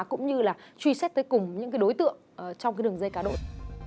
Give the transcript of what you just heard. cũng như truy xét tới cùng những đối tượng trong đường dây cá đội